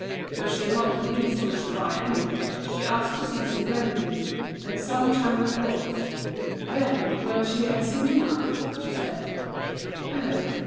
Though she had not the least wish to buy any, she asked to see some grenadine and some Chambery gauze. Then, when she had seen enough, she said: "Oh!